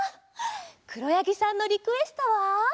くろやぎさんのリクエストは？